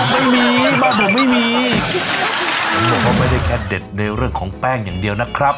ไม่มีบ้านผมไม่มีผมบอกว่าไม่ได้แค่เด็ดในเรื่องของแป้งอย่างเดียวนะครับ